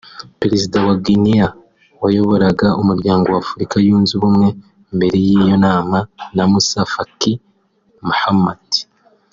Perezida wa Guinnée wayoboraga umuryango w’Afrika yunze ubumwe mbere y’iyi nama na Moussa Faki Mahamat